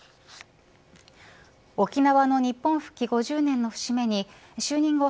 沖縄の日本復帰５０年の節目に就任後